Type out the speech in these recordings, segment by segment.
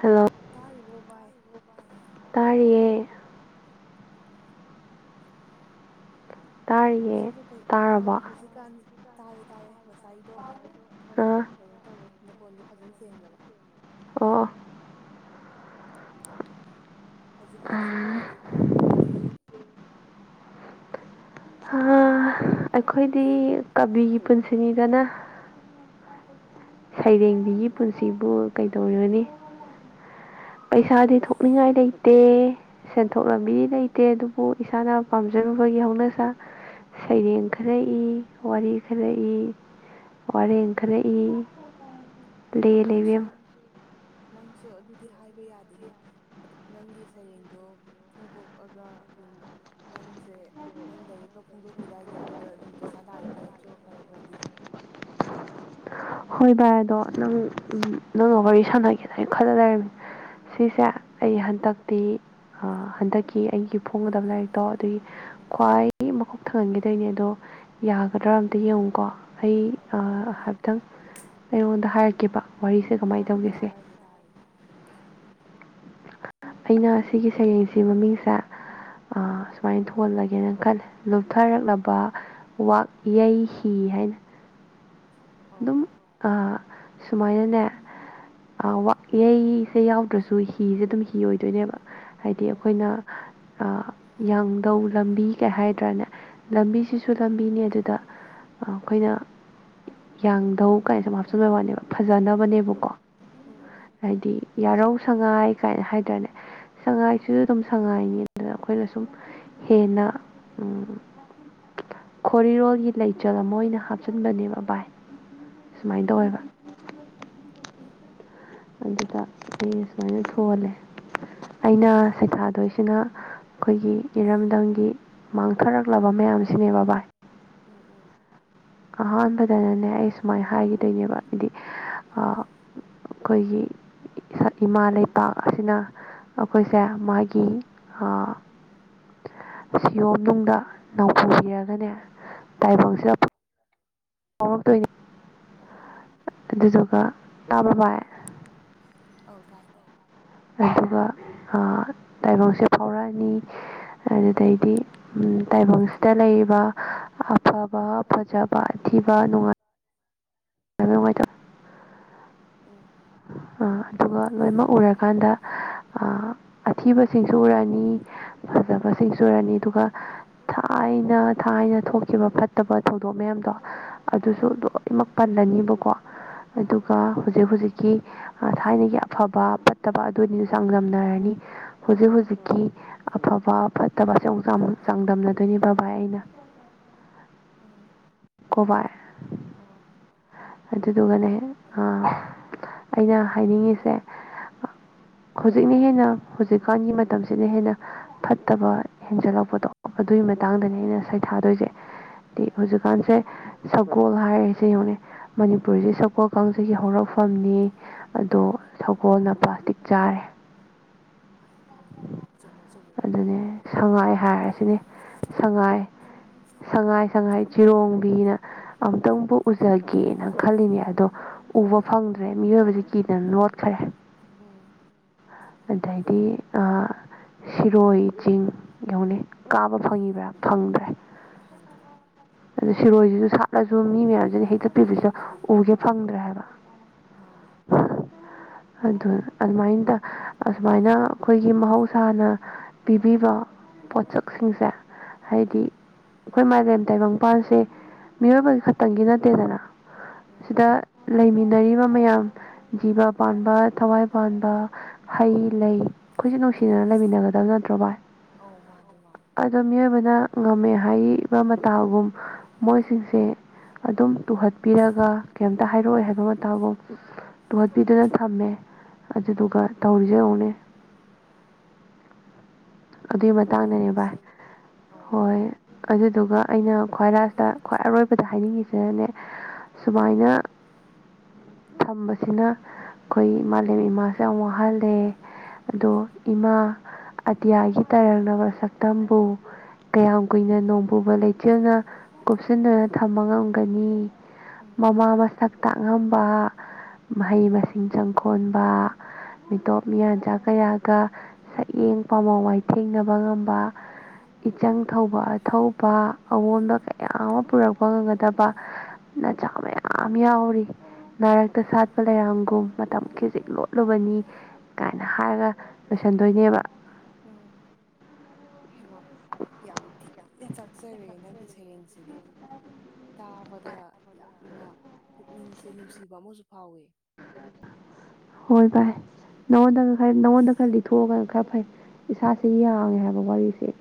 Hello ꯇꯥꯔꯤꯕꯣ ꯚꯏ ꯇꯔꯦ ꯇꯥꯔꯤꯌꯦ ꯍꯧꯖꯤꯛꯕꯨ ꯀꯩ ꯑ ꯇꯥꯔꯕꯣ ꯍꯧꯖꯤꯛ ꯖꯤꯀꯥꯟ ꯇꯥꯔꯦ ꯇꯥꯔꯦ ꯉꯁꯥꯏꯗꯣ ꯈꯔ ꯑꯥ ꯀꯩꯅꯣ ꯇꯧꯋꯦ ꯅꯈꯣꯟꯗꯣ ꯐꯖꯅ ꯁꯦꯡꯗꯅꯕ ꯑꯣ ꯍꯧꯖꯤꯛꯀꯥꯟꯁꯤꯕꯨ ꯀꯩ ꯀꯩ ꯍꯣꯠꯅꯕꯤꯔꯤꯒꯦ ꯑꯩꯈꯣꯏꯗꯤ ꯀꯕꯤꯒꯤ ꯄꯨꯟꯁꯤꯅꯤꯗꯅ ꯑꯗꯨ ꯁꯩꯔꯦꯡꯕꯤꯒꯤ ꯄꯨꯟꯁꯤꯕꯨ ꯀꯩꯗꯧꯔꯤꯕꯅꯤ ꯄꯩꯁꯥꯗꯤ ꯑꯁ ꯊꯣꯛꯅꯤꯡꯉꯥꯏ ꯂꯩ ꯇꯦ ꯁꯦꯟꯊꯣꯛ ꯂꯝꯕꯤꯗꯤ ꯂꯩꯇꯦ ꯑꯗꯨꯕꯨ ꯏꯁꯥꯅ ꯄꯥꯝꯖꯔꯨꯕꯒꯤ ꯍꯧꯅꯁꯥ ꯁꯩꯔꯦꯡ ꯈꯔꯏ ꯋꯥꯔꯤ ꯈꯔ ꯏ ꯋꯥꯔꯦꯡ ꯈꯔꯛꯏ ꯅꯪꯁꯨ ꯅꯪꯁꯨ ꯑꯗꯨꯗꯤ ꯍꯥꯏꯕ ꯌꯥꯗꯦꯍꯦ ꯅꯪꯒꯤ ꯁꯩꯔꯦꯡꯗꯣ ꯐꯣꯡꯗꯣꯛꯑꯒ ꯑꯗꯨꯝ ꯅꯪꯁꯦ ꯅꯪ ꯂꯔꯤꯛꯒ ꯐꯣꯡꯗꯣꯛꯈꯤꯗꯥꯏꯅꯦ ꯑꯗꯨꯗ ꯑꯗꯨꯝ ꯄꯩꯁꯥ ꯂꯥꯛꯏꯕ ꯅꯠꯇ꯭ꯔꯣ ꯈꯔ ꯈꯔꯗꯤ ꯍꯣꯏ ꯚꯥꯏ ꯑꯗꯣ ꯅꯪ ꯅꯪꯒ ꯋꯥꯔꯤ ꯁꯥꯟꯅꯒꯦꯗꯅ ꯈꯔ ꯂꯩꯔꯝꯃꯤ ꯁꯤꯁꯦ ꯑꯩ ꯍꯟꯗꯛꯇꯤ ꯍꯟꯗꯛꯀꯤ ꯑꯩꯒꯤ ꯐꯣꯡꯒꯗꯕ ꯂꯥꯏꯔꯤꯛꯇꯣ ꯑꯗꯨꯒꯤ ꯎꯝ ꯈ꯭ꯋꯥꯏ ꯃꯀꯣꯛ ꯊꯪꯍꯟꯈꯤꯗꯣꯏꯅꯦ ꯑꯗꯣ ꯌꯥꯒꯗ꯭ꯔꯥ ꯑꯝꯇ ꯌꯦꯡꯉꯨꯀꯣ ꯑꯩ ꯑꯧ ꯑꯧ ꯍꯥꯏꯐꯦꯠꯇꯪ ꯑꯩꯉꯣꯟꯗ ꯍꯥꯏꯔꯛ ꯥ ꯇꯥꯔꯒꯦ ꯇꯥꯔꯒꯦ ꯍꯥꯏꯔꯛꯑꯣ ꯑꯩꯅ ꯑꯁꯤꯒꯤ ꯁꯩꯔꯦꯡꯁꯤ ꯃꯃꯤꯡꯁꯦ ꯁꯨꯃꯥꯏꯅ ꯊꯣꯍꯜꯂꯒꯦꯅ ꯈꯜꯂꯦ ꯂꯨꯞꯊꯔꯛꯂꯕ ꯥꯛ ꯌꯩ ꯍꯤ ꯍꯥꯏꯅ ꯑꯧ ꯑꯗꯨꯝ ꯑꯧ ꯑ ꯁꯨꯃꯥꯏꯅꯅꯦ ꯋꯥ ꯌꯩꯁꯦ ꯌꯥꯎꯗ꯭ꯔꯁꯨ ꯍꯤꯁꯦ ꯑꯗꯨꯝ ꯀꯤ ꯑꯣꯏꯗꯣꯏꯅꯦꯕ ꯍꯥꯏꯗꯤ ꯑꯥ ꯑꯩꯈꯣꯏꯅ ꯌꯥꯡꯗꯧ ꯂꯝꯕꯤ ꯀꯩ ꯍꯥꯏꯗ꯭ꯔꯥꯅꯦ ꯑꯥ ꯂꯝꯕꯤꯁꯤꯁꯨ ꯇꯝꯕꯤꯅꯦ ꯑꯗꯨꯗ ꯑꯩꯈꯣꯏꯅ ꯌꯥꯡꯙꯧ ꯀꯥꯏꯅ ꯁꯨꯝ ꯍꯥꯞꯆꯤꯟꯕ ꯋꯥꯅꯦꯕ ꯎꯝ ꯐꯖꯅꯕꯅꯦꯕꯀꯣ ꯎꯝ ꯎꯝ ꯍꯥꯏꯗꯤ ꯌꯥꯔꯧ ꯁꯉꯥꯏ ꯀꯥꯏꯅ ꯍꯥꯏ ꯍꯥꯏꯇꯥꯅꯦ ꯁꯉꯥꯏꯁꯤꯁꯨ ꯑꯗꯨꯝ ꯁꯉꯥꯏꯅꯤꯗꯅ ꯑꯩꯈꯣꯏꯅ ꯁꯨꯝ ꯍꯦꯟꯅ ꯈꯣꯔꯤꯔꯣꯜꯒꯤ ꯂꯩꯆꯜ ꯑꯃ ꯑꯣꯏꯅ ꯍꯥꯞꯆꯤꯟꯕꯅꯦꯕ ꯕꯥꯥꯏ ꯁꯨꯃꯥꯏꯅ ꯑꯣ ꯇꯧꯋꯦꯕ ꯑꯗꯨꯗ ꯑꯩ ꯁꯨꯃꯥꯏꯅ ꯊꯣꯜꯂꯦ ꯑꯩꯅ ꯁꯩꯊꯥꯗꯣꯏꯁꯤꯅ ꯑꯩꯈꯣꯏꯒꯤ ꯏꯔꯝꯗꯝꯒꯤ ꯃꯥꯡꯊꯔꯛꯂꯕ ꯃꯌꯥꯝꯁꯤꯅꯦꯕ ꯕꯥꯥꯏ ꯎꯝ ꯎꯝ ꯑꯍꯥꯟꯕꯗꯅꯅꯦ ꯑꯩ ꯁꯨꯃꯥꯏꯅ ꯍꯥꯏꯈꯤꯗꯣꯏꯅꯦꯕ ꯍꯥꯏꯗꯤ ꯀꯒꯤ ꯏꯃꯥ ꯂꯩꯄꯥꯛ ꯑꯁꯤꯅ ꯑꯩꯈꯣꯏꯁꯦ ꯃꯥꯒꯤ ꯁꯤꯌꯣꯝꯅꯨꯡꯗ ꯅꯧ ꯄꯨꯨꯕꯤꯔꯒꯅꯦ ꯇꯥꯏꯕꯪꯁꯤꯗ ꯑꯣ ꯇꯣꯏꯅꯦ ꯑ ꯑꯗꯨꯗꯨꯒ ꯇꯥꯕꯕꯥꯏ ꯍ ꯇꯥꯏ ꯇꯥꯏ ꯑꯗꯨꯒ ꯇꯥꯏꯕꯪꯁꯦ ꯐꯥꯎꯔꯛꯑꯅꯤ ꯑꯗꯨꯗꯩꯗꯤ ꯇꯥꯏꯕꯪꯁꯤꯗ ꯂꯩꯔꯤꯕ ꯑꯐꯕ ꯐꯖꯕ ꯑꯊꯤꯕ ꯅꯨꯡꯉꯥꯏ ꯅꯨꯡꯉꯥꯏꯇꯝ ꯎꯝ꯫ ꯑ ꯑꯗꯨꯒ ꯂꯣꯏꯅꯃꯛ ꯎꯔꯀꯥꯟꯗ ꯑꯥ ꯑꯊꯤꯕꯁꯤꯡꯁꯨ ꯎꯔꯛꯑꯅꯤ꯫ ꯐꯖꯕꯁꯤꯡꯁꯨ ꯑꯣꯏꯔꯅꯤ ꯑꯗꯨꯒ ꯊꯥꯏꯅ ꯊꯥꯏꯅ ꯊꯣꯛꯈꯤꯕ ꯐꯠꯇꯕ ꯊꯧꯗꯣꯛ ꯃꯌꯥꯝꯗꯣ ꯑꯗꯨꯁꯨ ꯎꯝ ꯂꯣꯏꯅꯃꯛ ꯄꯜꯂꯅꯤꯕꯀꯣ ꯎꯝ ꯑꯗꯨꯒ ꯍꯨꯖꯤꯛ ꯍꯨꯖꯤꯛꯀꯤ ꯑ ꯊꯥꯏꯅꯒꯤ ꯑꯐꯕ ꯐꯠꯇꯕ ꯑꯗꯨꯅꯤ ꯆꯥꯡꯗꯝꯅꯔꯅꯤ꯫ ꯍꯧꯖꯤꯛ ꯍꯧꯖꯤꯛꯀꯤ ꯑꯐꯕ ꯐꯠꯇꯕꯁꯦ ꯑꯃꯨꯛ ꯆꯥꯡ ꯆꯥꯡꯗꯝꯅꯗꯣꯏꯅꯦꯕ ꯕꯥ ꯏꯅ꯫ ꯑꯣ꯫ ꯀꯣꯕꯥꯏ ꯑꯥ꯫ ꯑꯗꯨꯗꯨꯒꯅꯦ ꯑ ꯑꯩꯅ ꯍꯥꯏꯅꯤꯡꯉꯤꯁꯦ ꯍꯧꯖꯤꯛꯅ ꯍꯦꯟꯅ ꯍꯧꯖꯤꯛꯀꯥꯟꯒꯤ ꯃꯇꯝꯁꯤꯅ ꯍꯦꯟꯅ ꯐꯠꯇꯕ ꯍꯦꯟꯖꯜꯂꯛꯄꯗꯣ ꯑꯗꯨꯏ ꯃꯇꯥꯡꯗꯅꯦ ꯑꯧ ꯑꯩꯅ ꯁꯩꯊꯥꯗꯣꯏꯁꯦ ꯇꯤ ꯑꯣ ꯍꯧꯖꯤꯛ ꯥꯟ ꯁꯦ ꯁꯒꯣꯜ ꯍꯥꯏꯔꯤꯁꯦ ꯌꯦꯡꯉꫭꯅꯦ ꯃꯅꯤꯄꯨꯔꯁꯦ ꯁꯒꯣꯜ ꯀꯥꯡꯖꯩꯒꯤ ꯍꯧꯔꯛꯐ ꯐꯝꯅꯤ ꯑꯗꯣ ꯃꯥꯅꯦ ꯁꯒꯣꯜ ꯅꯄꯥꯇꯤꯛ ꯆꯥꯔꯦ꯫ [unintelligible] ꯆꯨꯝꯃꯦ꯫ ꯆꯨꯝꯃꯦ ꯅꯪ ꯑꯗꯨꯅꯦ ꯍꯥꯏꯔꯤꯗꯣ ꯁꯉꯥꯏ ꯍꯥꯏꯔꯁꯤꯅꯦ ꯁꯉꯥꯏ ꯁꯉꯥꯏ ꯁꯉꯥꯏ ꯆꯤꯔꯣꯡꯕꯤꯅ ꯑꯝꯇꯪꯕꯨ ꯎꯖꯒꯦꯅ ꯈꯜꯂꯤꯅꯦ ꯑꯗꯣ ꯎꯕ ꯐꯪꯗ꯭ꯔꯦ ꯃꯤꯑꯣꯏꯕꯁꯤ ꯀꯤꯗꯅ ꯂꯣꯠꯈ꯭ꯔꯦ꯫ ꯎꯝ꯫ ꯑꯗꯩꯗꯤ ꯑ ꯁꯤꯔꯣꯏ ꯆꯤꯡ ꯌꯥꯎꯅꯩ ꯀꯥꯕ ꯐꯪꯉꯤꯕ꯭ꯔꯥ ꯐꯪꯗ꯭ꯔꯦ꯫ ꯐꯪꯗ꯭ꯔꯦ꯫ ꯑꯗꯨ ꯁꯤꯔꯣꯏꯁꯤꯁꯨ ꯁꯥꯠꯂꯁꯨ ꯃꯤ ꯃꯌꯥꯝꯁꯤꯅ ꯍꯦꯛꯇ ꯄꯤꯕꯁꯨ ꯎꯒꯦ ꯐꯪꯗ꯭ꯔꯦ ꯍꯥꯏꯕ꯫ ꯃꯥꯅꯦ꯫ ꯑꯗꯨ ꯑꯗꯨꯃꯥꯏꯅ ꯇ ꯑꯁꯨꯃꯥꯏꯅ ꯑꯩꯈꯣꯏꯒꯤ ꯃꯍꯧꯁꯥꯅ ꯄꯤꯕꯤꯕ ꯄꯣꯠꯁꯛꯁꯤꯡꯁꯦ ꯍꯥꯏꯗꯤ ꯑꯩꯈꯣꯏ ꯃꯥꯂꯦꯝ ꯇꯥꯏꯕꯪꯄꯥꯟꯁꯦ ꯃꯤꯑꯣꯏꯕꯒꯤ ꯈꯛꯇꯪꯒꯤ ꯅꯠꯇꯦꯗꯅ꯫ ꯎꯝ ꯁꯤꯗ ꯂꯩꯃꯤꯟꯅꯔꯤꯕ ꯃꯌꯥꯝ ꯖꯤꯕ ꯄꯥꯟꯕ ꯊꯋꯥꯏ ꯄꯥꯟꯕ ꯍꯩ ꯂꯩ ꯑꯈꯣꯏꯁꯨ ꯅꯨꯡꯁꯤꯅꯅ ꯂꯩꯃꯤꯟꯅꯒꯗꯕ ꯅꯠꯇ꯭ꯔꯣ ꯚꯥꯏ꯫ ꯑꯧ ꯃꯥꯅꯦ-ꯃꯥꯅꯦ꯫ ꯑꯗꯣ ꯃꯤꯑꯣꯏꯕꯅ ꯉꯝꯃꯦ ꯍꯥꯏꯕ ꯃꯇꯥꯒꯨꯝ ꯃꯣꯏꯁꯤꯡꯁꯦ ꯑꯗꯨꯝ ꯇꯨꯍꯠꯄꯤꯔꯒ ꯀꯩꯝꯇ ꯍꯥꯏꯔꯛꯑꯣꯏ ꯍꯥꯏꯕ ꯃꯇꯥꯒꯨꯝ ꯇꯨꯍꯠꯄꯤꯗꯨꯅ ꯊꯝꯃꯦ ꯑꯗꯨꯗꯨꯒ ꯇꯧꯔꯤꯁꯦ ꯌꯧꯅꯦ꯫ [inaudible] ꯑꯗꯨꯏ ꯃꯇꯥꯡꯗꯅꯦ ꯚꯥꯏ ꯃꯤꯑꯣꯏꯕꯁꯦ ꯑꯧ ꯍꯣꯏ꯫ ꯑꯗꯨꯗꯨꯒ ꯑꯩꯅ ꯈ꯭ꯋꯥꯏ ꯂꯥꯁꯇ ꯈ꯭ꯋꯥꯏ ꯑꯔꯣꯏꯕꯗ ꯍꯥꯏꯅꯤꯡꯉꯤꯁꯤꯅꯅꯦ ꯁꯨꯃꯥꯏꯅ [unintelligible] ꯁꯝꯕꯁꯤꯅ ꯑꯩꯈꯣꯏ ꯃꯥꯂꯦꯝ ꯏꯃꯥꯁꯨ ꯌꯥꯝ ꯋꯥꯍꯜꯂꯦ꯫ ꯑꯗꯣ ꯏꯃꯥ ꯑꯇꯤꯌꯥꯒꯤ ꯇꯥꯏꯔꯛꯅꯕ ꯁꯛꯇꯝꯕꯨ ꯀꯌꯥꯝ ꯀꯨꯏꯅ ꯅꯣꯡ ꯄꯨꯕ ꯂꯩꯆꯦꯜꯅ ꯀꯨꯞꯁꯤꯟꯗꯨꯅ ꯊꯝꯕ ꯉꯝꯒꯅꯤ ꯎꯝ ꯃꯃꯥ ꯃ ꯁꯛ ꯇꯥꯛꯉꯝꯕꯥ ꯃꯍꯩ ꯃꯁꯤꯡ ꯆꯪꯈꯣꯟꯕꯥ ꯃꯤꯇꯣꯞ ꯃꯤꯌꯥꯟꯆꯥꯥ ꯀꯌꯥꯒ ꯁꯛꯌꯦꯡ ꯄꯥꯃꯋꯥꯏ ꯊꯦꯡꯅꯕ ꯉꯝꯕ ꯎꯝ ꯏꯆꯪ ꯑꯊꯧꯕ ꯑꯊꯧꯕ ꯑꯋꯣꯟꯕ ꯀꯌꯥ ꯑꯃ ꯄꯨꯔꯛꯄ ꯉꯝꯒꯗꯕ ꯅꯆꯥ ꯃꯌꯥꯝ ꯌꯥꯎꯔꯤ ꯅꯥꯔꯛꯇ ꯎꯝ ꯁꯥꯠꯄ ꯂꯩꯔꯥꯡꯒꯨꯝ ꯃꯇꯝ ꯈꯤ ꯆꯦꯛ ꯂꯣꯠꯂꯨꯕꯅꯤ ꯀꯥꯏꯅ ꯍꯥꯏꯔꯒ ꯂꯣꯏꯁꯟꯗꯣꯏꯅꯦꯕ꯫ ꯎꯝ ꯍꯩꯃ ꯌꯥꯝ ꯊꯤꯅ ꯆꯛ ꯆꯔꯦ ꯅꯪꯒꯤ ꯁꯩꯔꯦꯡꯁꯤꯗꯤ ꯇꯥꯕꯗ ꯌꯥꯝꯅ ꯄꯨꯛꯅꯤꯡꯁꯦ ꯅꯨꯡꯁꯤꯕ ꯑꯃꯁꯨ ꯐꯥꯎꯋ ꯍꯣꯏ ꯚꯥꯏ ꯅꯉꯣꯟꯗꯒ ꯈꯔ ꯅꯪꯉꯣꯟꯗ ꯑꯁ ꯈꯔ ꯂꯤꯊꯣꯛꯑꯒ ꯈꯔ ꯐꯩ ꯏꯁꯥꯁꯦ ꯌꯥꯡꯉꯦ ꯍꯥꯏꯕ ꯋꯥꯔꯤꯁꯦ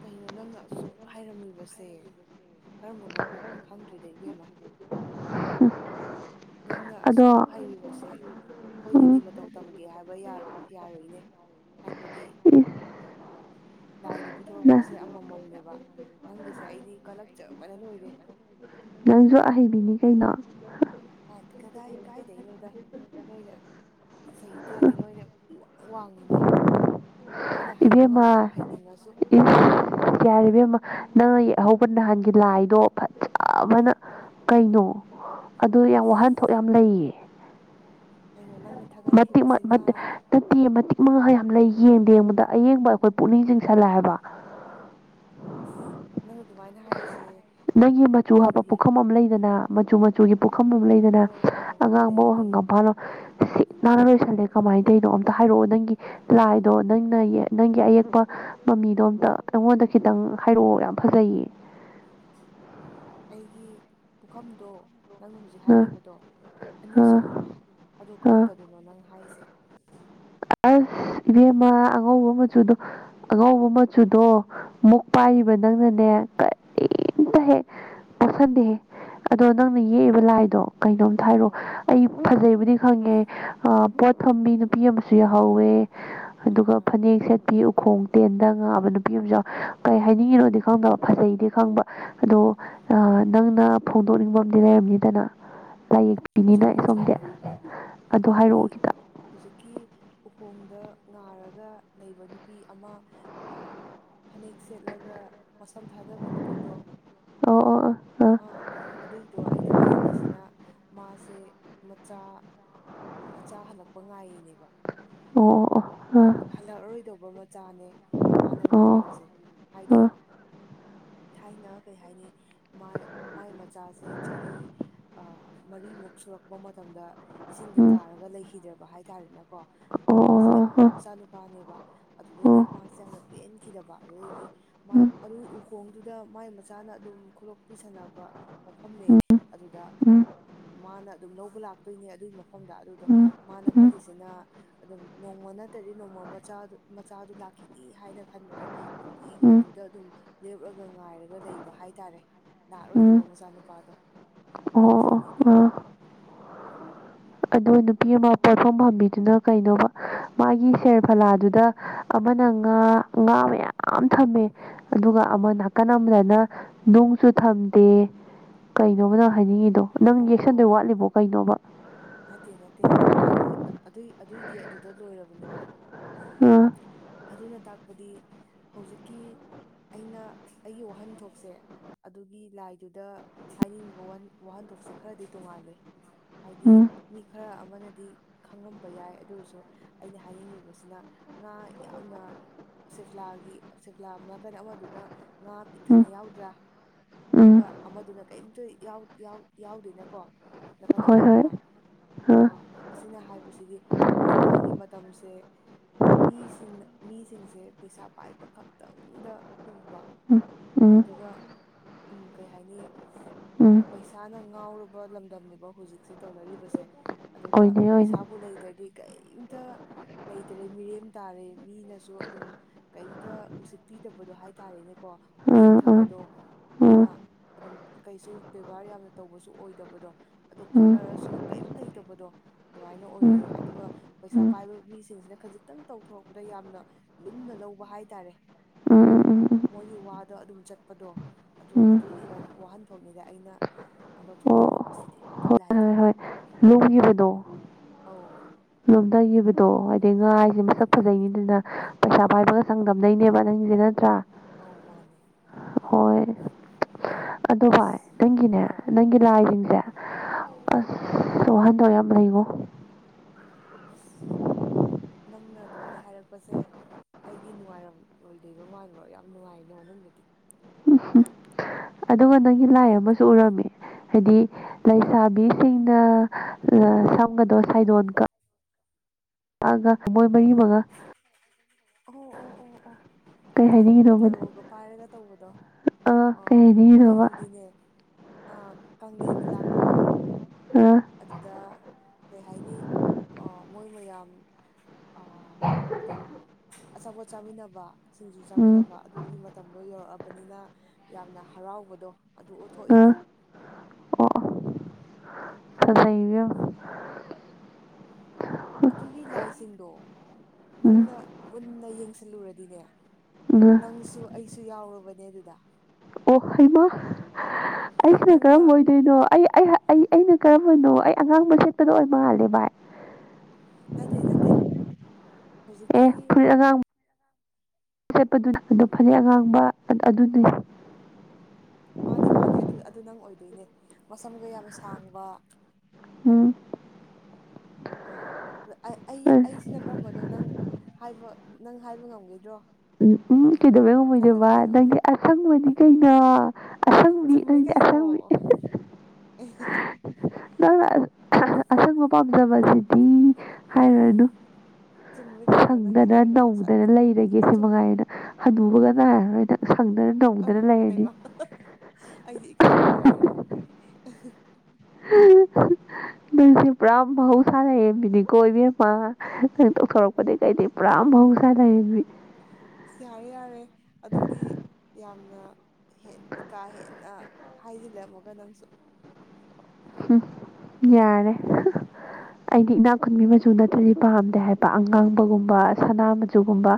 ꯀꯩꯅꯣ ꯅꯪꯅ ꯑꯁꯨꯛ ꯍꯥꯏꯔꯝꯂꯤꯕꯁꯦ ꯀꯔꯝꯕ ꯃꯄꯣꯛꯅꯣ ꯈꯪꯗ꯭ꯔꯤꯗ ꯏꯕꯦꯝꯃ ꯅꯪꯅ ꯑꯁꯨꯛ ꯑꯗꯣ ꯍꯩꯔꯤꯕꯁꯦ ꯎꯝ ꯑꯩꯈꯣꯏꯅꯗꯤ ꯃꯇꯧ ꯇꯝꯒꯦ ꯍꯥꯏꯕ ꯌꯥꯔꯣꯏꯏꯅꯦ ꯍꯥꯏꯕꯗꯤ ꯏꯁ ꯂꯥꯏꯅ ꯅ ꯄꯤꯊꯣꯔꯛꯄꯁꯦ ꯑꯃꯃꯝꯅꯦꯕ ꯅꯪꯒꯤꯁꯦ ꯑꯩꯗꯤ ꯀꯂꯛꯆꯕꯅ ꯂꯣꯏꯔꯦ ꯅꯪꯁꯨ ꯑꯍꯩꯕꯤꯅꯤ ꯀꯩꯅꯣ ꯀꯗꯥꯏ ꯀꯥꯏꯗꯩꯅꯣꯗ ꯅꯣꯏꯅ ꯁꯍꯤꯗꯔꯗꯤ ꯅꯣꯏꯅ ꯋꯥ ꯋꯥꯡꯉꯤꯅꯦ ꯑꯩꯈꯣꯏꯅ ꯍꯩꯕ ꯉꯝꯗꯕ ꯍꯩꯅꯤꯡꯉꯁꯨ ꯌꯥꯔꯤꯕ ꯑꯃ ꯅꯪ ꯌꯥꯍꯧꯕ ꯅꯍꯥꯟꯒꯤ ꯂꯥꯏꯗꯣ ꯐꯖꯕꯅ ꯀꯩꯅꯣ ꯑꯗꯨ ꯌꯥꯝ ꯑꯁ ꯋꯥꯍꯟꯊꯣꯛ ꯌꯥꯝ ꯂꯩꯌꯦ ꯀꯩꯅꯣ ꯅꯪꯅ ꯃꯇꯤꯛ ꯊꯥꯒꯠꯈꯤꯕꯁꯤꯅ ꯅꯠꯇꯦ ꯃꯇꯤꯛ ꯃꯉꯥ ꯌꯥꯝ ꯂꯩ ꯌꯦꯡꯗ ꯌꯦꯡꯕꯗ ꯑꯌꯦꯡꯕ ꯑꯩꯈꯣꯏ ꯄꯨꯛꯅꯤꯡ ꯆꯤꯡꯁꯜꯂꯦ ꯍꯥꯏꯕ ꯑꯁ ꯅꯪ ꯑꯗꯨꯃꯥꯏꯅ ꯍꯥꯏꯔꯤꯁꯦ ꯅꯪꯒꯤ ꯃꯆꯨ ꯍꯥꯞꯄ ꯑꯩꯗꯤ ꯄꯨꯈꯝ ꯑꯃ ꯂꯩꯗꯅ ꯃꯆꯨ ꯃꯆꯨꯒꯤ ꯄꯨꯈꯝ ꯑꯃ ꯂꯩꯗꯅ ꯑꯧ ꯑꯗꯨꯅ ꯑꯧ ꯑꯉꯥꯡꯕꯨ ꯂꯩꯌꯦ ꯋꯥꯍꯪꯒꯝ ꯐꯥꯜꯂꯣ [inaudible] ꯁꯤ ꯅꯥꯟꯅ ꯂꯣꯏꯁꯤꯜꯂꯦ ꯀꯃꯥꯏꯅ ꯇꯧꯔꯤꯅꯣ ꯑꯝꯇ ꯍꯥꯏꯔꯛꯑꯣ ꯅꯪꯒꯤ ꯂꯥꯏꯗꯣ ꯅꯪꯅ ꯌꯦ ꯅꯪꯒꯤ ꯑꯌꯦꯛꯄ ꯃꯃꯤꯗꯣ ꯑꯝꯇ ꯑꯩꯉꯣꯟꯗ ꯈꯤꯇꯪ ꯍꯥꯏꯔꯛꯑꯣ ꯌꯥꯝ ꯐꯖꯩꯌꯦ ꯑꯩꯒꯤ ꯄꯨꯈꯝꯗꯣ ꯅꯪꯅ ꯍꯧꯖꯤꯛ ꯑ ꯍꯥꯏꯈꯤꯕꯗꯣ ꯑꯅꯤ ꯑ ꯁꯦꯕ ꯑꯗꯣ ꯑ ꯀꯔꯝꯕꯗꯅꯣ ꯅꯪ ꯍꯥꯏꯔꯤꯁꯦ ꯑꯁ ꯏꯕꯦꯝꯃ ꯑꯉꯧꯕ ꯃꯆꯨꯗꯣ ꯑꯉꯧꯕ ꯃꯆꯨꯗꯣ ꯃꯨꯛ ꯑꯥ ꯄꯥꯏꯔꯤꯕ ꯅꯪꯅꯅꯦ ꯀꯔꯤꯝꯇ ꯍꯦꯛ ꯄꯣꯛꯁꯟꯗꯦꯍꯦ ꯑꯗꯣ ꯅꯪꯅ ꯌꯦꯛꯏꯕ ꯂꯥꯏꯗꯣ ꯀꯩꯅꯣꯝꯇ ꯍꯥꯏꯔꯛꯑꯣ ꯑꯧ ꯑꯩ ꯐꯖꯩꯕꯨꯗꯤ ꯈꯪꯉꯦ ꯄꯣꯠ ꯊꯝꯕꯤ ꯅꯨꯄꯤ ꯑꯃ ꯁꯨ ꯌꯥꯎꯍꯧꯋꯦ ꯑꯥ ꯑꯗꯨꯒ ꯑꯥ ꯐꯅꯦꯛ ꯁꯦꯠꯄꯤ ꯈꯣꯡ ꯇꯦꯟꯗ ꯉꯥꯕ ꯅꯨꯄꯤ ꯑꯃꯁꯁꯨ ꯀꯩ ꯍꯥꯏꯅꯤꯡꯉꯤꯅꯣꯗꯤ ꯈꯪꯗꯕ ꯐꯖꯩꯗꯤ ꯈꯪꯕ ꯑꯗꯣ ꯅꯪꯅ ꯐꯣꯡꯗꯣꯛꯅꯤꯡꯕ ꯑꯝ ꯂꯩꯔꯝꯅꯤꯗꯅ ꯂꯥꯏꯌꯦ ꯏꯅꯤꯅꯦ ꯆꯨꯝꯃꯦ ꯑꯩ ꯁꯣꯝꯗꯦ ꯆꯨꯝꯃꯦ ꯑꯗꯣ ꯍꯥꯏꯔꯛꯑꯣ ꯑꯩ ꯑꯝꯇ ꯍꯧꯖꯤꯛꯀꯤ ꯎꯈꯣꯡꯗ ꯉꯥꯔꯒ ꯂꯩꯕ ꯅꯨꯄꯤ ꯑꯃ ꯐꯅꯦꯛ ꯁꯦꯠꯂꯒ ꯋꯥꯁꯝ ꯊꯥꯗꯕ ꯅꯨꯄꯤꯗꯣ ꯑꯣ ꯑꯣ ꯑꯣ ꯑꯥ ꯑꯗꯨꯏꯗꯣ ꯑꯩꯅ ꯍꯥꯏꯅꯤꯡꯉꯤꯁꯤꯅ ꯃꯥꯁꯦ ꯃꯆꯥ ꯃꯆꯥ ꯍꯜꯂꯛꯄ ꯉꯥꯏꯔꯤꯅꯦꯕ ꯑꯣ ꯑꯣ ꯑꯣ ꯍꯜꯂꯛꯑꯔꯣꯏꯗꯧꯕ ꯃꯆꯥꯅꯦ ꯃꯥꯅ ꯑꯥ ꯑꯣ ꯑꯥ ꯉꯥꯏꯔꯤꯕꯁꯦ ꯍꯥꯏꯗꯤ ꯊꯥꯏꯅ ꯀꯩ ꯍꯥꯏꯅꯤ ꯃꯥꯏ ꯃꯆꯥꯁꯦ ꯆꯍꯤ ꯑ ꯃꯔꯤꯃꯨꯛ ꯁꯨꯔꯛꯄ ꯃꯇꯝꯗ ꯏꯁꯤꯡꯗ ꯎꯝ ꯇꯥꯔꯒ ꯂꯩꯈꯤꯗ꯭ꯔꯕ ꯍꯥꯏꯇꯥꯔꯦꯅꯀꯣ ꯑꯗꯣ ꯑꯣ ꯃꯥꯁꯦ ꯑꯣ ꯑꯥ ꯌꯥꯝꯅ ꯑꯣ ꯃꯆꯥꯅꯨꯄꯥꯅꯦꯕ ꯑꯗꯨꯗꯩꯗꯤ ꯎꯝ ꯃꯥꯁꯦ ꯌꯥꯝꯅ ꯄꯦꯟꯈꯤꯗꯕ ꯑꯗꯨꯗꯩꯗꯤ ꯑꯗꯨ ꯎꯍꯣꯡꯗꯨꯗ ꯃꯥꯏ ꯃꯆꯥꯅ ꯑꯗꯨꯝ ꯈꯨꯂꯣꯛꯄꯤꯤ ꯁꯅꯕ ꯃꯐꯝꯅꯦ ꯎꯝ ꯑꯗꯨꯗ ꯎꯝ ꯃꯥꯅ ꯑꯗꯨꯝ ꯂꯧꯕ ꯂꯥꯛꯇꯣꯏꯅꯦ ꯑꯗꯨꯒꯤꯐꯝ ꯃꯣꯐꯝꯗ ꯑꯗꯨꯗꯣ ꯎꯝ ꯎꯝ ꯃꯥꯅ ꯎꯝ ꯈꯜꯂꯤꯁꯤꯅ ꯑꯗꯨꯝ ꯅꯣꯡꯃ ꯐꯠꯇꯗꯤ ꯅꯣꯡꯃ ꯃꯆꯥ ꯃꯆꯥꯗꯨ ꯂꯥꯛꯈꯤꯅꯤ ꯍꯥꯏꯅ ꯈꯟꯕꯗꯣ ꯅꯨꯡꯇꯤꯒꯤ ꯎꯝ ꯑꯗꯨꯗ ꯑꯗꯨꯝ ꯂꯦꯞꯂꯒ ꯉꯥꯏꯔꯒ ꯂꯩꯕ ꯍꯥꯏꯇꯥꯔꯦ ꯎꯝ ꯂꯥꯛꯑꯔꯣꯏꯗꯕꯣ ꯃꯆꯥꯅꯨꯄꯥꯗꯣ ꯑꯣ ꯑꯗꯨꯏꯅꯤꯗ ꯑ ꯑꯗ‌ꯣ ꯅꯨꯄꯤ ꯑꯃ ꯄꯣꯠꯐꯝ ꯐꯝꯕꯤꯗꯨꯅ ꯀꯩꯅꯣꯕ ꯃꯥꯒꯤ ꯁꯦꯔꯐꯂꯥꯗꯨꯗ ꯑꯃꯅ ꯉꯥ ꯉꯥ ꯃꯌꯥꯝ ꯊꯝꯃꯦ ꯑꯗꯨꯒ ꯑꯃ ꯅꯥꯀꯟ ꯑꯃꯗꯅ ꯅꯨꯡꯁꯨ ꯊꯝꯗꯦ ꯑꯥ ꯀꯩꯅꯣꯕ ꯅꯪ ꯍꯥꯏꯅꯤꯡꯉꯤꯗꯣ ꯅꯪ ꯑꯣ ꯌꯦꯛꯁꯟꯗꯣꯏ ꯋꯥꯠꯂꯤꯕꯣ ꯀꯩꯅꯣꯕ ꯅꯠꯇꯦ ꯅꯠꯇꯦ ꯑꯗꯨ ꯑꯗꯨꯏ ꯑꯗꯨꯏꯗꯤ ꯑꯗꯨ ꯗ ꯂꯣꯏꯔꯕꯅꯦ ꯚꯥꯏ ꯑꯥ ꯑꯗꯨꯅ ꯇꯥꯛꯄꯗꯤ ꯍꯧꯖꯤꯛꯀꯤ ꯑꯩꯅ ꯑꯩꯒꯤ ꯋꯥꯍꯟꯊꯣꯛꯁꯦ ꯑꯗꯨꯒꯤ ꯂꯥꯏꯗꯨꯗ ꯍꯥꯏꯅꯤꯡꯉꯤꯕ ꯋꯥꯍꯟ ꯋꯥꯍꯟꯊꯣꯛꯁꯦ ꯈꯔꯗꯤ ꯇꯣꯡꯉꯥꯜꯂꯦ ꯍꯥꯏꯗꯤ ꯎꯝ ꯃꯤ ꯈꯔ ꯑꯃꯅꯗꯤ ꯈꯪꯔꯝꯕ ꯌꯥꯏ ꯑꯗꯨ ꯑꯣꯏꯔꯁꯨ ꯑꯩꯅ ꯍꯥꯏꯅꯤꯡꯂꯤꯕꯁꯤꯅ ꯉꯥ ꯌꯥꯝꯅ ꯁ‌ꯦꯐ꯭ꯂꯥꯒꯤ ꯁ‌ꯦꯐ꯭ꯂꯥ ꯑꯝ ꯅꯀꯟ ꯑꯃꯗꯨꯅ ꯉꯥ ꯄꯤꯛ ꯎꯝ ꯊꯟꯅ ꯌꯥꯎꯗ꯭ꯔꯥ ꯎꯝ ꯑꯗꯨꯒ ꯑꯃꯗꯨꯅ ꯀꯩꯝꯇ ꯌꯥꯎ ꯌꯥꯎ ꯌꯥꯎꯗ‌ꯦꯅꯀꯣ ꯅꯥꯀꯟ ꯍꯣꯏ ꯍꯣꯏ ꯑꯃꯗꯨꯅ ꯑꯥ ꯑ ꯑꯁꯤꯅ ꯍꯥꯏꯕꯁꯤꯗꯤ ꯍꯧꯖꯤꯛꯀꯥꯟꯒꯤ ꯃꯇꯝꯁꯦ ꯃꯤꯁꯤꯡꯅ ꯃꯤꯁꯤꯡꯁꯦ ꯄꯩꯁꯥ ꯄꯥꯏꯕ ꯈꯛꯇꯪꯗ ꯎꯕ ꯎꯝ ꯎꯝ ꯑꯗꯨꯒ ꯎꯝ ꯀꯩ ꯍꯥꯏꯅꯤ ꯑ ꯎꯝ ꯄꯩꯁꯥꯅ ꯉꯥꯎꯔꯕ ꯂꯝꯗꯝꯅꯦꯕ ꯍꯧꯖꯤꯛꯁꯦ ꯇꯧꯅꯔꯤꯕꯁꯦ ꯑꯗꯨꯒ ꯑꯣꯏꯅꯤ ꯑꯣꯏꯅꯤ ꯄꯩꯁꯥꯕꯨ ꯂꯩꯇ꯭ꯔꯗꯤ ꯀꯩꯝꯇ ꯂꯩꯇ꯭ꯔꯦ ꯃꯤꯔꯦꯝ ꯇꯥꯔꯦ ꯃꯤꯅꯁꯨ ꯑꯗꯨꯝ ꯀꯩꯝꯇ ꯎꯁꯤꯠꯄꯤꯗꯕꯗꯣ ꯍꯥꯏꯇꯥꯔꯦꯅꯦꯀꯣ ꯑꯥ ꯑꯥ ꯑꯥ ꯌꯦꯡꯊꯕꯗꯣ ꯃꯤꯅ ꯑꯗꯨꯝ ꯀꯩꯁꯨ ꯕꯦꯕꯥꯔ ꯌꯥꯝꯅ ꯇꯧꯕꯁꯨ ꯑꯣꯏꯗꯕꯗꯣ ꯑꯗꯨ ꯎꯝ ꯎꯝ ꯍꯣꯠꯅꯔꯁꯨ ꯀꯩꯝ ꯂꯩꯇꯕꯗꯣ ꯑꯗꯨꯃꯥꯏꯅ ꯎꯝ ꯑꯣꯏꯌꯦ ꯑꯗꯨꯒ ꯄꯩꯁꯥ ꯎꯝ ꯄꯥꯏꯕ ꯃꯤꯁꯤꯡꯁꯤꯅ ꯈꯖꯤꯛꯇꯪ ꯇꯧꯊꯣꯔꯛꯄꯗ ꯌꯥꯝꯅ ꯂꯨꯝꯅ ꯂꯧꯕ ꯍꯥꯏꯇꯥꯔꯦ ꯎꯝ ꯎꯝ ꯎꯝ ꯃꯣꯏꯒꯤ ꯋꯥ ꯗ ꯑꯗꯨꯝ ꯆꯠꯄꯗꯣ ꯑꯗꯨ ꯎꯝ ꯑꯗꯨꯒꯤ ꯋꯥ ꯋꯥꯍꯟꯊꯣꯛꯅꯤꯗ ꯑꯩꯅ ꯑꯣ ꯂꯧꯊꯣꯛꯅꯤꯡꯉꯤꯕꯁꯤꯗꯤ ꯑꯗꯨꯏ ꯍꯣꯏ ꯂꯥꯏꯗ ꯍꯣꯏ ꯍꯣꯏ ꯂꯨꯝꯈꯤꯕꯗꯣ ꯑꯧ ꯂꯨꯝꯊꯈꯤꯕꯗꯣ ꯍꯥꯏꯗꯤ ꯉꯥ ꯍꯥꯏ ꯖꯤ ꯃꯁꯛ ꯐꯖꯩꯅꯤꯗꯅ ꯄꯩꯁꯥ ꯃꯥꯅꯦ ꯄꯥꯏꯕꯒ ꯆꯥꯡꯗꯝꯅꯩꯅꯦꯕ ꯅꯪꯒꯤꯁꯦ ꯅꯠꯇ꯭ꯔꯥ ꯑꯧ ꯃꯥꯅꯦ ꯍꯣꯏ ꯑꯗ‌ꯣ ꯚꯥꯏ ꯑꯁ ꯅꯪꯒꯤꯅꯦ ꯑꯧ ꯅꯪꯒꯤ ꯂꯥꯏꯁꯤꯡꯁ‌ꯦ ꯑꯧ ꯋꯥꯍꯟꯊ‌ꯣꯛ ꯌꯥꯝ ꯂꯩꯉꯣ ꯑꯁ ꯅꯪꯅ ꯑꯗꯨꯃꯥꯏꯅ ꯍꯥꯏꯔꯛꯄꯁꯦ ꯑꯩꯗꯤ ꯅꯨꯡꯉꯥꯏꯔꯝꯂꯣꯏꯗꯣꯏꯕ ꯃꯥꯜꯂꯨꯔ ꯌꯥꯝ ꯅꯨꯡꯉꯥꯏꯅꯦ ꯃꯅꯨꯡꯗꯗꯤ ꯑꯗꯨꯒ ꯅꯪꯒꯤ ꯂꯥꯏ ꯑꯃꯁꯨ ꯎꯔꯝꯃꯦ ꯍꯥꯏꯗꯤ ꯂꯩꯁꯥꯕꯤꯁꯤꯡꯅ ꯑ ꯁꯝꯒꯗꯣ ꯁꯥꯏꯗꯣꯟ ꯀ ꯀꯛꯑꯒ ꯃꯣꯏ ꯃꯔꯤ ꯃꯉꯥ ꯑꯣ ꯑꯣ ꯑꯣ ꯑꯣ ꯀꯩ ꯊꯝꯕꯥꯟ ꯍꯥꯏꯅꯤꯡꯉꯤꯅꯣꯕ ꯊꯔꯣꯒ ꯄꯥꯏꯔꯒ ꯇꯧꯕꯗꯣ ꯑꯥ ꯑꯣ ꯀꯩ ꯍꯥꯏꯅꯤꯡꯉꯤꯅꯣꯕ ꯑꯗꯨꯏꯗꯨꯗꯤꯅꯦ ꯑ ꯀꯪꯂ‌ꯦꯟꯅ ꯂꯥꯛꯄꯗꯣ ꯑꯥ ꯑꯗꯨꯗ ꯀꯩ ꯍꯥꯏꯅꯤ ꯑꯥ ꯃꯣꯏ ꯃꯌꯥꯝ ꯑꯥ ꯑꯗꯨꯝ ꯑꯆꯥꯄꯣꯠ ꯆꯥꯃꯤꯟꯅꯕ ꯁꯤꯡꯖꯨ ꯎꯝ ꯆꯥꯃꯤꯟꯅꯕ ꯑꯗꯨꯒꯤ ꯃꯇꯝꯗꯣ ꯌꯧꯔꯛꯑꯕꯅꯤꯅ ꯌꯥꯝꯅ ꯍꯔꯥꯎꯕꯗꯣ ꯑꯗꯨ ꯎꯠꯊꯣꯛꯏꯅꯦ ꯑꯥ ꯑꯣ ꯑꯣ [inaudible] ꯐꯖꯩ ꯏꯕꯦꯝꯃ ꯑꯗꯨꯒꯤ ꯂꯥꯏꯁꯤꯡꯗꯣ ꯎꯝ ꯅꯪꯅ ꯃꯨꯟꯅ ꯌꯦꯡꯁꯤꯜꯂꯨꯔꯗꯤꯅꯦ ꯑꯥ ꯅꯪꯁꯨ ꯑꯩꯁꯨ ꯌꯥꯎꯔꯕꯅꯦ ꯑꯗꯨꯗ ꯑꯣ ꯍꯩꯃꯥ ꯑꯩꯁꯤꯅ ꯅꯪꯅ ꯀꯔꯝꯕ ꯑꯣꯏ ꯀꯩꯅꯣ ꯑꯩꯑꯩ ꯑꯩꯅ ꯀꯔꯝꯕꯅꯣ ꯑꯩ ꯑꯉꯥꯡꯕ ꯁꯦꯠꯄꯗꯣ ꯑꯣꯏ ꯃꯥꯜꯂꯦ ꯚꯥꯏ ꯅꯠꯇꯦ ꯅꯠꯇꯦ ꯍꯧꯖꯤꯛꯀꯤ ꯆꯦꯠꯄꯗꯨꯅ ꯑꯗꯨ ꯐꯅꯦꯛ ꯑꯉꯥꯡꯕ ꯑꯥ ꯑꯗꯨꯗꯤ ꯃꯥꯅꯦ ꯃꯥꯅꯦ ꯑꯗꯨ ꯑꯗꯨ ꯅꯪ ꯑꯣꯏꯗꯣꯏꯅꯦ ꯃꯁꯝꯒ ꯌꯥꯝ ꯁꯥꯡꯕ ꯎꯝ ꯑꯥ ꯑ ꯑꯩ ꯑꯁ ꯑꯩꯁꯤꯅ ꯀꯔꯝꯕꯅꯣ ꯅꯪ ꯍꯥꯏꯕ ꯅꯪ ꯍꯥꯏꯕ ꯉꯝꯒꯗ꯭ꯔꯣ ꯎꯝ ꯎꯝ ꯀꯩꯗꯧꯕꯩ ꯈꯜꯂꯒ ꯉꯝꯃꯣꯏꯗꯣꯏꯕ ꯍꯥꯏꯔꯛꯑꯣꯅꯦ ꯅꯪꯗꯤ ꯑꯁꯪꯕꯅꯤ ꯀꯩꯅꯣ ꯑꯁꯪꯕꯤ ꯆꯨꯝꯃꯦ ꯅꯪꯗꯤ ꯀꯩꯅꯣ ꯑꯁꯪꯕꯤ [unintelligible] ꯅꯪꯅ ꯑꯁꯪꯕ ꯄꯥꯝꯖꯕꯁꯤꯗꯤ ꯍꯥꯏꯔꯅꯨ ꯆꯨꯝꯃꯦ ꯀꯩꯅꯣ ꯅꯪꯅ ꯁꯪꯗꯅ ꯍꯥꯏꯔꯤꯗꯣ ꯅꯧꯗꯅ ꯂꯩꯔꯒ ꯁꯥꯊꯤꯅ [unintelligible] ꯆꯨꯝꯃꯦ ꯃꯉꯥꯏ ꯅꯪ ꯍꯅꯨꯕꯒ ꯅꯥꯏꯔꯔꯣꯏ ꯅꯪ ꯁꯪꯗꯅ ꯑ ꯅꯧꯗꯅ ꯂꯩꯔꯅꯤ ꯍꯩꯃ ꯑꯩꯗꯤ ꯏꯀꯥꯏꯕ ꯂꯣꯏꯔꯦ ꯅꯪꯁꯤ ꯄ꯭ꯨꯔꯥ ꯃꯍꯧ ꯁꯥ ꯂꯩꯏꯔꯦꯝꯕꯤꯅꯤꯀꯣ ꯏꯕꯦꯝꯃ ꯅꯪ ꯇꯣꯛꯊꯣꯔꯛꯄꯗꯤ ꯀꯩꯗꯤ ꯄꯨꯔꯥ ꯃꯍꯧꯁꯥ ꯂꯥꯏꯔꯦꯝꯕꯤ ꯑꯁ ꯌꯥꯔꯦ ꯌꯥꯔꯦ ꯑꯗꯨꯗꯤ ꯌꯥꯝꯅ ꯍꯦꯟ ꯀꯥ ꯍꯦꯟꯅ ꯍꯥꯏꯁꯤꯜꯂꯝꯃꯒ ꯅꯪꯁꯨ ꯍꯨꯝ ꯌꯥꯔꯦ [unintelligible] ꯑꯩꯗꯤ ꯏꯅꯥꯛꯈꯨꯟꯕꯤ ꯃꯆꯨ ꯅꯠꯇ꯭ꯔꯗꯤ ꯄꯥꯝꯗꯦ ꯍꯥꯏꯕ ꯑꯉꯥꯡꯕꯒꯨꯝꯕ ꯁꯅꯥ ꯃꯆꯨꯒꯨꯝꯕ